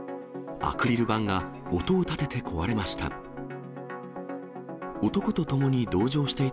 アクリル板が音を立てて壊れました。